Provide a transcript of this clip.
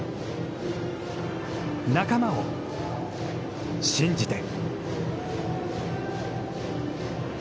仲間を信じて。